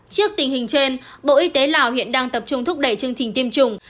trước tình hình trên bộ y tế lào hiện đang tập trung thúc đẩy chương trình tiêm chủng